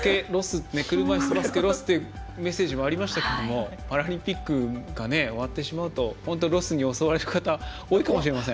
車いすバスケロスというメッセージもありましたけどパラリンピックが終わってしまうとロスに襲われる方多いかもしれません。